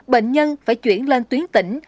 bệnh nhân phải chuyển lên tuyến tỉnh